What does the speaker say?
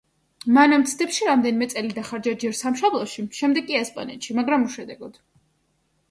მან ამ ცდებში რამდენიმე წელი დახარჯა ჯერ სამშობლოში შემდეგ კი ესპანეთში, მაგრამ უშედეგოდ.